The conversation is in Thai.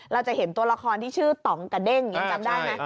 เราจะเห็นตัวละครที่ชื่อต่องกระเด้งยังจำได้ไหม